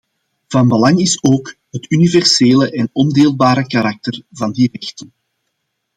Van belang is ook het universele en ondeelbare karakter van die rechten.